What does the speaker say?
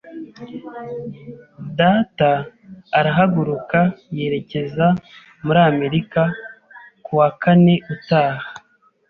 Data arahaguruka yerekeza muri Amerika ku wa kane utaha.